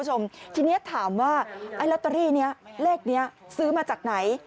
คุณผู้ชมทีนี้ถามว่าไอ้ลอตเตอรี่นี้เลขนี้ซื้อมาจากไหน